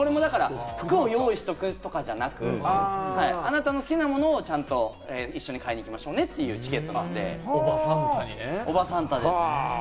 服を用意しとくとかじゃなく、あなたの好きなものを一緒に買いに行きましょうねというチケットなので、おばサンタです。